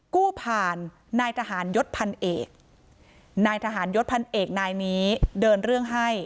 กู้ผ่านนายทหารยศพันเอกนายทหารยศพันเอกนายนี้เดินเรื่องให้